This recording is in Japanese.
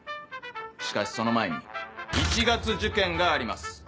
しかしその前に一月受験があります。